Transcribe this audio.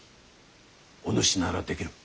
おぬしならできる。